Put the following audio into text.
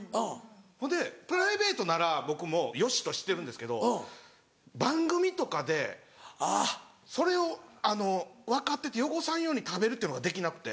ほんでプライベートなら僕もよしとしてるんですけど番組とかでそれを分かってて汚さんように食べるっていうのができなくて。